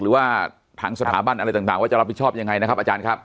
หรือว่าทางสถาบันอะไรต่างว่าจะรับผิดชอบยังไงนะครับอาจารย์ครับ